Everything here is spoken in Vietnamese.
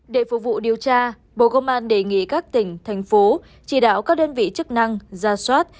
để phục vụ điều tra bộ công an đề nghị các tỉnh thành phố chỉ đạo các đơn vị chức năng ra soát